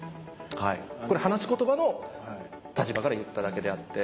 これ話しコトバの立場から言っただけであって。